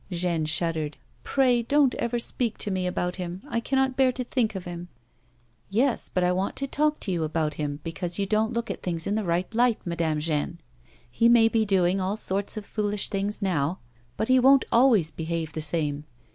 " Jeanne shuddered. " Pray don't ever speak to me about him ; I cannot hear to think of him." " Yes, but I want to talk to you about him, because you don't look at things in the right light, Madame Jeanne. He may be doing all sorts of foolish things now, but he won't always behave the same.